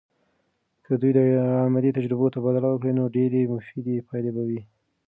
که دوی د علمي تجربو تبادله وکړي، نو ډیرې مفیدې پایلې به وي.